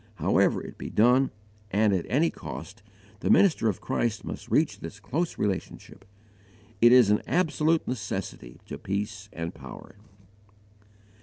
However it be done, and at any cost, the minister of Christ must reach this close relationship. It is an absolute necessity to peace and power.